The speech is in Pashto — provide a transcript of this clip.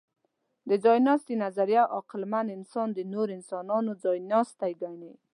د ځایناستي نظریه عقلمن انسان د نورو انسانانو ځایناستی ګڼي.